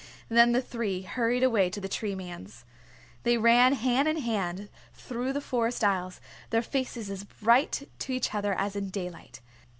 Then the three hurried away to the Tree Man's. They ran hand in hand through the forest aisles, their faces as bright to each other as in daylight.